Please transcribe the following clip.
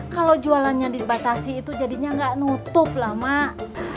kalau jualannya dibatasi itu jadinya nggak nutup lah mak